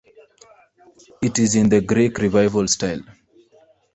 It is in the Greek Revival style.